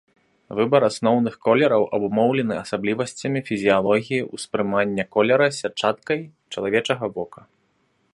Выбар асноўных колераў абумоўлены асаблівасцямі фізіялогіі ўспрымання колераў сятчаткай чалавечага вока.